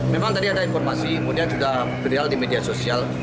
memang tadi ada informasi kemudian sudah berial di media sosial